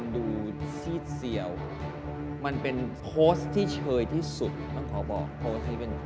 ก็คือมันเป็นชุดที่เว้าหลัง